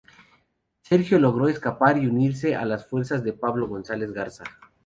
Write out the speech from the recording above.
Sergio logró escapar y unirse a las fuerzas de Pablo González Garza.